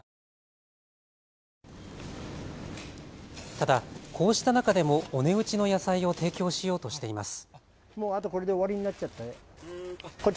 ただ、こうした中でもお値打ちの野菜を提供しようとしています。